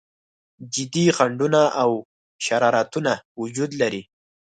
جدي خنډونه او شرارتونه وجود لري.